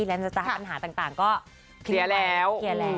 เยอะแล้ว